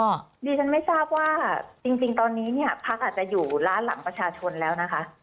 ดิฉันไม่ทราบว่าจริงตอนนี้เนี่ยพักอาจจะอยู่ร้านหลังประชาชนแล้วนะคะ